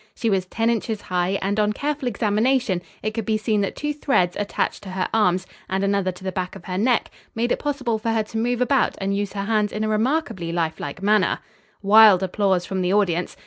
She was ten inches high and, on careful examination, it could be seen that two threads attached to her arms, and another to the back of her neck, made it possible for her to move about and use her hands in a remarkably life like manner. Wild applause from the audience.